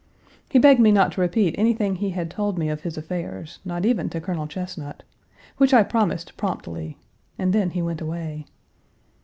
He begged me not to repeat anything he had told me of his affairs, not even to Colonel Chesnut; which I promised promptly, and then he went away.